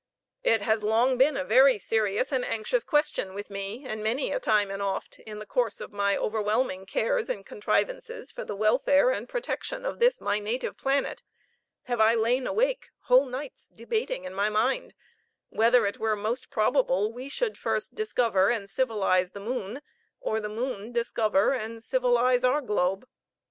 It has long been a very serious and anxious question with me, and many a time and oft, in the course of my overwhelming cares and contrivances for the welfare and protection of this my native planet, have I lain awake whole nights debating in my mind whether it were most probable we should first discover and civilize the moon, or the moon discover and civilize our globe.